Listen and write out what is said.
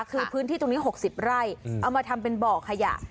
คือพื้นที่ตรงนี้๖๐ไร่เอามาทำเป็นบ่อขยะ